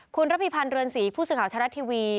คุณระพีพันธ์เรือนศรีผู้สื่อข่าวชะลัดทีวี